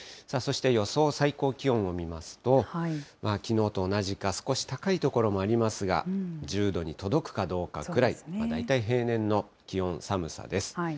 そして予想最高気温を見ますと、きのうと同じか、少し高い所もありますが、１０度に届くかどうかぐらい、大体平年の気温、寒さです。